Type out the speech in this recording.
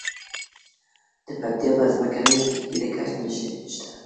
د پکتیا په څمکنیو کې د ګچ نښې شته.